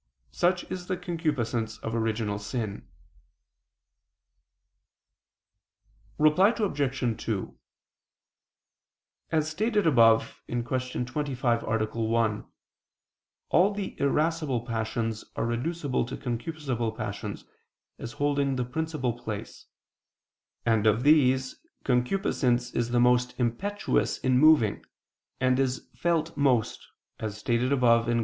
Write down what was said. Such is the concupiscence of original sin. Reply Obj. 2: As stated above (Q. 25, A. 1), all the irascible passions are reducible to concupiscible passions, as holding the princip[al] place: and of these, concupiscence is the most impetuous in moving, and is felt most, as stated above (Q.